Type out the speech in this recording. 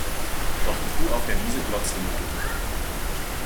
Doch die Kuh auf der Wiese glotzte nur dumm.